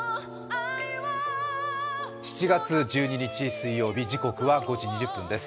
７月１２日水曜日時刻は５時２０分です。